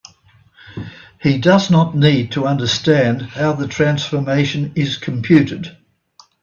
He does not need to understand how the transformation is computed.